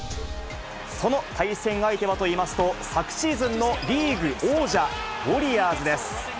その対戦相手はといいますと、昨シーズンのリーグ王者、ウォリアーズです。